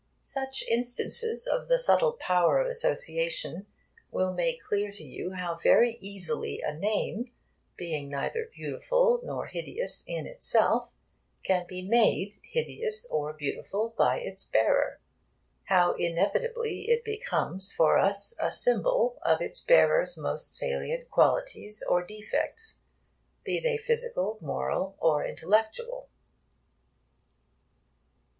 Such instances of the subtle power of association will make clear to you how very easily a name (being neither beautiful nor hideous in itself) can be made hideous or beautiful by its bearer how inevitably it becomes for us a symbol of its bearer's most salient qualities or defects, be they physical, moral, or intellectual.